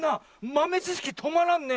まめちしきとまらんね。